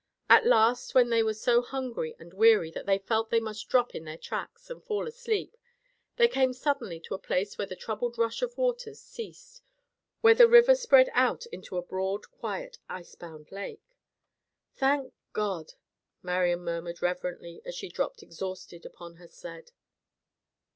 At last, when they were so hungry and weary that they felt they must drop in their tracks and fall asleep, they came suddenly to a place where the troubled rush of waters ceased; where the river spread out into a broad, quiet, icebound lake. "Thank God!" Marian murmured reverently as she dropped exhausted upon her sled.